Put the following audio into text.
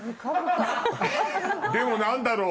でも何だろう？